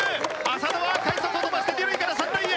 浅野は快足を飛ばして二塁から三塁へ。